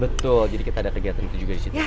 betul jadi kita ada kegiatan itu juga disitu